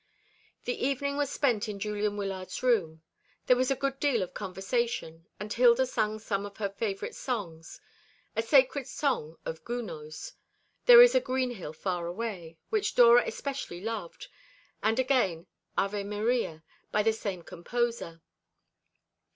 The evening was spent in Julian Wyllard's room. There was a good deal of conversation, and Hilda sang some of her favourite songs; a sacred song of Gounod's, "There is a green hill far away," which Dora especially loved, and again, "Ave Maria," by the same composer.